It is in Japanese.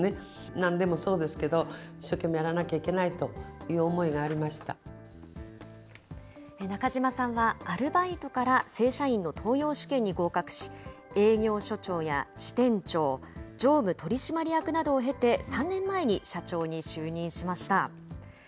なんでもそうですけど、一生懸命やらなきゃいけないという思いが正社員の登用試験に合格し、営業所長や支店長、常務取締役などを経て、３年前に社長に就任しました。